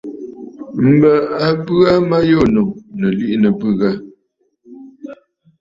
M̀bə a bə aa ma yû ànnù, nɨ̀ liꞌìnə̀ ɨ̀bɨ̂ ghâ.